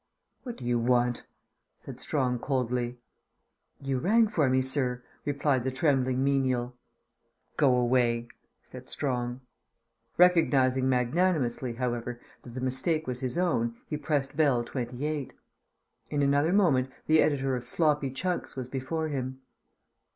"What do you want?" said Strong coldly. "You rang for me, sir," replied the trembling menial. "Go away," said Strong. Recognizing magnanimously, however, that the mistake was his own, he pressed bell "28." In another moment the editor of Sloppy Chunks was before him.